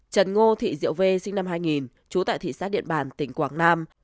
trần ngô thị diệu vê sinh năm hai nghìn trú tại thị xác điện bàn tỉnh quảng nam